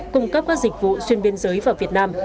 cung cấp các dịch vụ xuyên biên giới vào việt nam